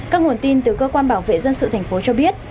các nguồn tin từ cơ quan bảo vệ dân sự thành phố cho biết